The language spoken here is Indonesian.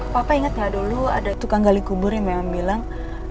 papa ingat nggak dulu ada tukang gali kubur yang memang bilang